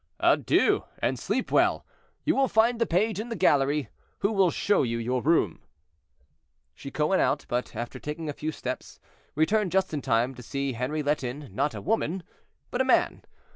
"Adieu! and sleep well. You will find the page in the gallery, who will show you your room." Chicot went out; but, after taking a few steps, returned just in time to see Henri let in—not a woman, but a man.